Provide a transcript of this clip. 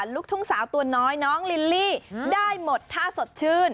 ลูกทุ่งสาวตัวน้อยน้องลิลลี่ได้หมดท่าสดชื่น